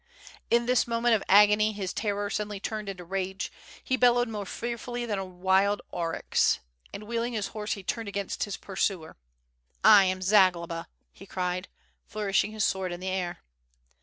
In this moment of agony his terror suddenly turned into rage, he bellowed more fearfully than a wild aurochs, and wheeling his horse he turned against his pursuer. "I am Zagloba!" he cried, flourishing his sword in the air.